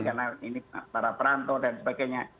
karena ini para perantau dan sebagainya